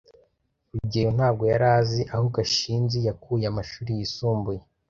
rugeyo ntabwo yari azi aho gashinzi yakuye amashuri yisumbuye